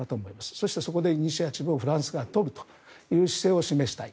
そしてそこでイニシアチブをフランスが取るという姿勢を示したい。